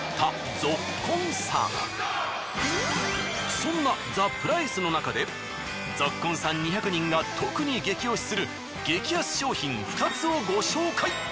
そんなザ・プライスのなかでぞっこんさん２００人が特に激推しする激安商品２つをご紹介。